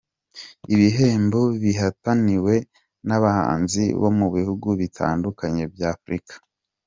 Ibihembo bihataniwe n’abahanzi bo mu bihugu bitandukanye bya Afurika.